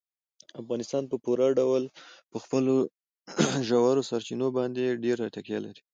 افغانستان په پوره ډول په خپلو ژورو سرچینو باندې ډېره تکیه لري.